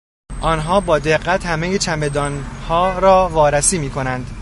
آنها با دقت همهی چمدانها را وارسی میکنند.